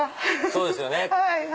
そうですよね。